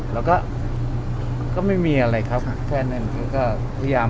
แล้วก็ไม่มีอะไรครับแค่นั้น